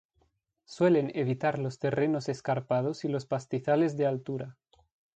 Suelen evitar los terrenos escarpados y los pastizales de altura.